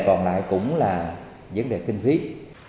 còn lại cũng là vấn đề kinh huyết